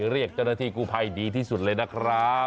เรียกเจ้าหน้าที่กู้ภัยดีที่สุดเลยนะครับ